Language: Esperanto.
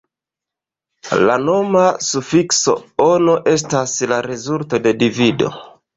La noma sufikso -ono estas la rezulto de divido.